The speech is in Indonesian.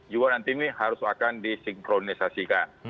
juga nanti ini harus akan disinkronisasikan